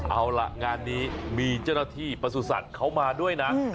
เอาล่ะงานนี้มีเจ้าหน้าที่ประสุทธิ์เขามาด้วยนะ